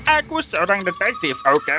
aku seorang detektif oke